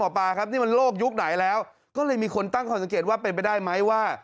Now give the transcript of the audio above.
ปลาครับนี่มันโลกยุคไหนแล้วก็เลยมีคนตั้งความสังเกตว่าเป็นไปได้ไหมว่า